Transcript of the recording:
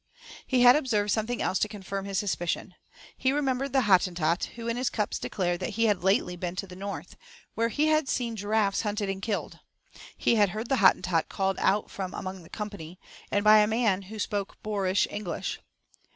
He had observed something else to confirm his suspicion. He remembered the Hottentot, who in his cups declared that he had lately been to the north, where he had seen giraffes hunted and killed. He had heard the Hottentot called out from among the company, and by a man who spoke "boerish English."